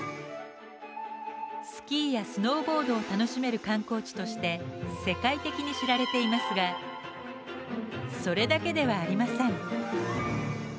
スキーやスノーボードを楽しめる観光地として世界的に知られていますがそれだけではありません。